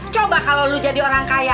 coba kalau lu jadi orang kaya